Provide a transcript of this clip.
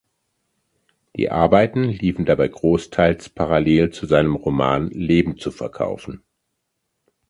Die Arbeiten liefen dabei Großteils parallel zu seinem Roman "Leben zu verkaufen".